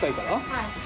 はい。